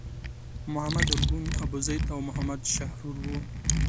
محمد ارګون، ابوزید او محمد شحرور وو.